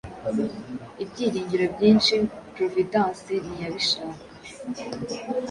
Ibyiringiro byinshi Providence ntiyabishaka